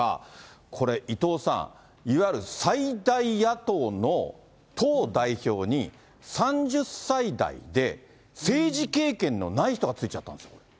これ、伊藤さん、いわゆる最大野党の党代表に、３０歳代で政治経験のない人が就いちゃったんです。